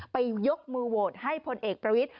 ยกมือโหวตให้พลเอกประวิทธิ